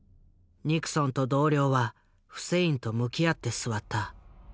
ニクソンと同僚はフセインと向き合って座った。